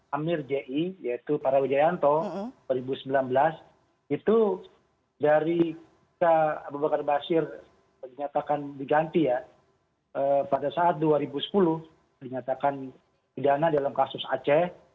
amir ji yaitu para wijayanto dua ribu sembilan belas itu dari abu bakar basir dinyatakan diganti ya pada saat dua ribu sepuluh dinyatakan pidana dalam kasus aceh